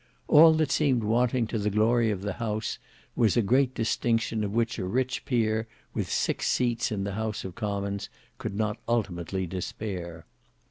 All that seemed wanting to the glory of the house was a great distinction of which a rich peer, with six seats in the House of Commons, could not ultimately despair.